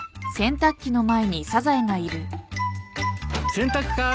洗濯かい？